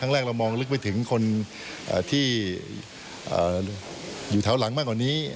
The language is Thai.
แรกเรามองลึกไปถึงคนที่อยู่แถวหลังมากกว่านี้